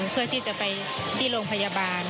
เพื่อที่จะไปที่โรงพยาบาล